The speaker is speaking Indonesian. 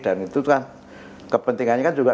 dan itu kan kepentingannya kan juga